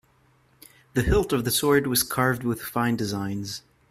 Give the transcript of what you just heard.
The hilt of the sword was carved with fine designs.